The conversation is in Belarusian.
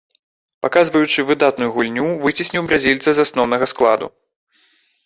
Паказваючы выдатную гульню, выцесніў бразільца з асноўнага складу.